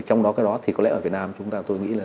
trong đó cái đó thì có lẽ ở việt nam chúng ta tôi nghĩ là